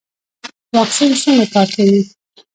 واکسین څنګه کار کوي؟